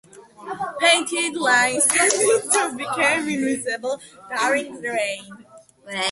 Painted lines tended to become invisible during rain.